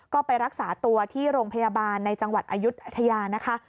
ก็ไปรักษาตัวที่โรงพยาบาลในจังหวัดอายุทยานะคะ